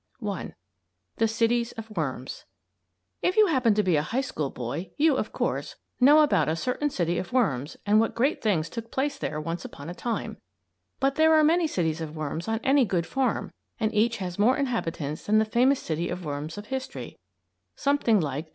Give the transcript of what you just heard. I. THE CITIES OF WORMS If you happen to be a high school boy you, of course, know about a certain city of Worms and what great things took place there once upon a time, but there are many cities of worms on any good farm, and each has more inhabitants than the famous city of Worms of history something like 25,000 to the acre; and, in garden soil, 50,000!